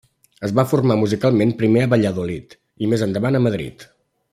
Es va formar musicalment primer a Valladolid, i més endavant a Madrid.